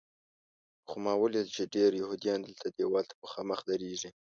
خو ما ولیدل چې ډېر یهودیان دلته دیوال ته مخامخ درېږي.